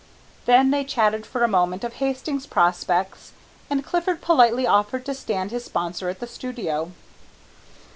Then they chatted for a moment of Hastings' prospects, and Clifford politely offered to stand his sponsor at the studio.